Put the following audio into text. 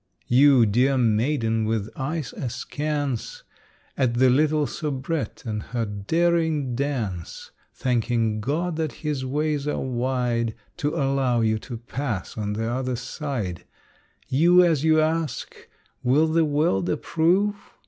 You, dear maiden, with eyes askance At the little soubrette and her daring dance, Thanking God that His ways are wide To allow you to pass on the other side, You, as you ask, "Will the world approve?"